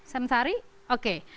saham sehari oke